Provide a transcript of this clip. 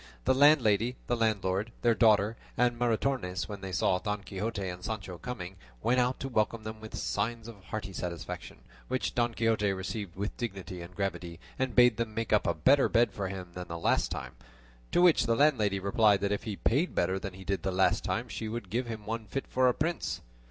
The landlady, the landlord, their daughter, and Maritornes, when they saw Don Quixote and Sancho coming, went out to welcome them with signs of hearty satisfaction, which Don Quixote received with dignity and gravity, and bade them make up a better bed for him than the last time: to which the landlady replied that if he paid better than he did the last time she would give him one fit for a prince.